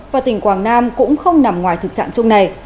và tỉnh quảng nam cũng không nằm ngoài thực trạng chung này